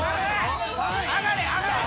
上がれ上がれ。